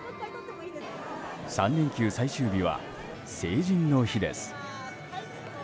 ３連休最終日は成人の日です。